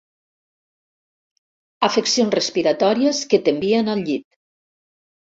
Afeccions respiratòries que t'envien al llit.